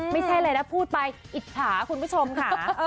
ไม่ใช่อะไรนะพูดไปอิจฉาคุณผู้ชมค่ะ